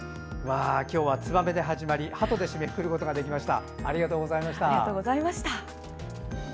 今日は、つばめで始まりはとで締めくくることができました。